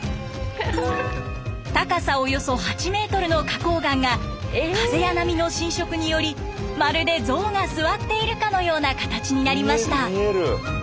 高さおよそ８ｍの花こう岩が風や波の浸食によりまるで象が座っているかのような形になりました。